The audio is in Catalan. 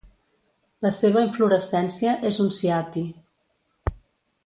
La seva inflorescència és un ciati.